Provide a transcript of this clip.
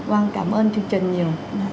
vâng cảm ơn chương trình nhiều